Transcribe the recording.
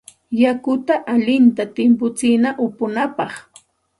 Yakuta allinta timputsina upunapaq.